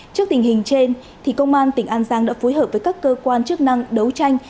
trước tình hình trên công an tỉnh an giang đã phối hợp với các cơ quan chức năng đấu tranh